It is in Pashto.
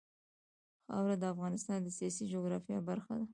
خاوره د افغانستان د سیاسي جغرافیه برخه ده.